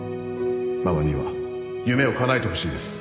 馬場には夢をかなえてほしいです